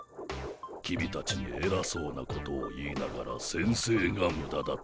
君たちにえらそうなことを言いながら先生がムダだったんだ。